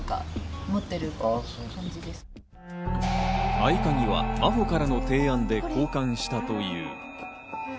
合鍵は真帆からの提案で交換したという。